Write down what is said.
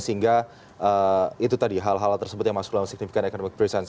sehingga itu tadi hal hal tersebut yang masuk dalam signifikan economic presence